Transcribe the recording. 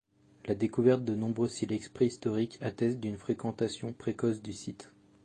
La découverte de nombreux silex préhistoriques atteste d'une fréquentation précoce du site.